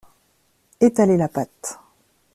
Etaler la pâte